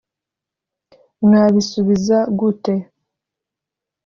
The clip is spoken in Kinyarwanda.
Mwabisubiza gute